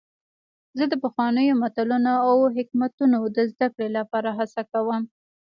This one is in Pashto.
زه د پخوانیو متلونو او حکمتونو د زدهکړې لپاره هڅه کوم.